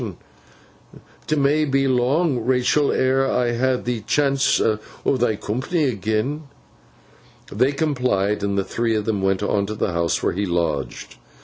'T may be long, Rachael, ere ever I ha th' chance o' thy coompany agen.' They complied, and the three went on to the house where he lodged.